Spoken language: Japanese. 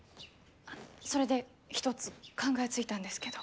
あの、それで一つ考えついたんですけど。